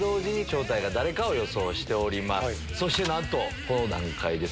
そしてなんとこの段階で。